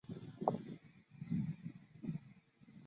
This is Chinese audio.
指令操作和编码